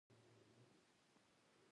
دلته به موږ د صفت کومه خبره پیدا کړو.